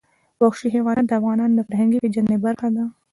وحشي حیوانات د افغانانو د فرهنګي پیژندنې برخه ده.